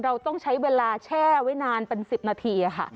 เราต้องใช้เวลาแช่ไว้นานเป็น๑๐นาทีค่ะ